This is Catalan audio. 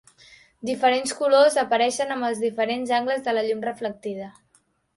Diferents colors apareixen amb els diferents angles de la llum reflectida.